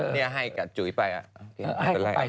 นี่ให้กับจุ๋ยไปอ่ะ